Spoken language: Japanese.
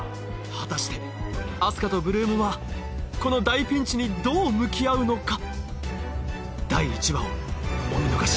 果たしてあす花と８ＬＯＯＭはこの大ピンチにどう向き合うのか！？